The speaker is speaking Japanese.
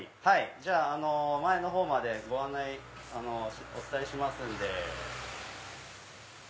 じゃあ前のほうまでご案内お伝えしますんで。